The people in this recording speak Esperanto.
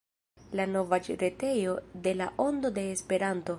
La novaĵretejo de La Ondo de Esperanto.